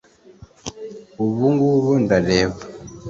Ubu ngubu ndareba